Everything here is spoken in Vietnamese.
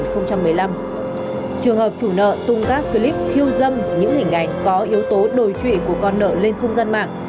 trường hợp chủ nợ tung các clip khiêu dâm những hình ảnh có yếu tố đổi trụy của con nợ lên không gian mạng